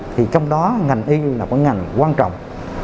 thì trong đó ngành y là một ngành quan trọng